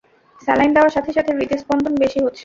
Saline দেওয়ার সাথে সাথে হৃদস্পন্দন বেশি বেশি হচ্ছে!